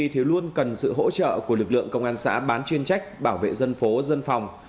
thì luôn cần sự hỗ trợ của lực lượng công an xã bán chuyên trách bảo vệ dân phố dân phòng